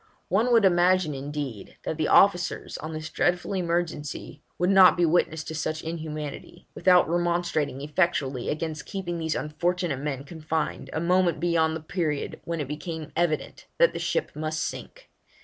One would imagine, indeed, that the officers on this dreadful emergency would not be witness to such inhumanity, without remonstrating effectually against keeping these unfortunate men confined a moment beyond the period when it became evident that the ship must sink.